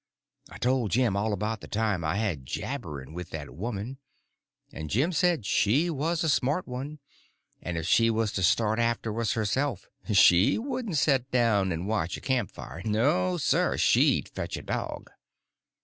I told Jim all about the time I had jabbering with that woman; and Jim said she was a smart one, and if she was to start after us herself she wouldn't set down and watch a camp fire—no, sir, she'd fetch a dog.